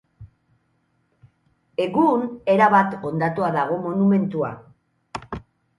Egun erabat hondatua dago monumentua.